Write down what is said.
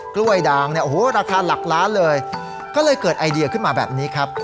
กล้วยด่างเนี่ยโอ้โหราคาหลักล้านเลยก็เลยเกิดไอเดียขึ้นมาแบบนี้ครับ